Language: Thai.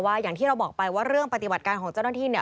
อย่างที่เราบอกไปว่าเรื่องปฏิบัติการของเจ้าหน้าที่เนี่ย